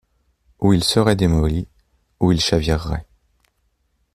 Ou il serait démoli, ou il chavirerait.